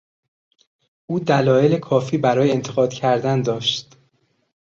او دلائل کافی برای انتقاد کردن داشت.